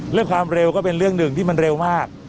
เรื่องความเร็วก็เป็นเรื่องหนึ่งที่มันเร็วมาก